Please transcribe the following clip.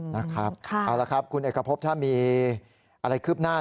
นะครับเอาละครับคุณเอกพบถ้ามีอะไรคืบหน้า